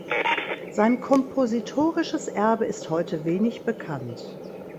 Sein kompositorisches Erbe ist heute wenig bekannt.